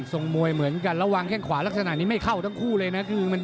ส่งมวยเหมือนกันระวังแค่งขวาลักษณะนี้ไม่เข้าทั้งคู่เลยนะคือมัน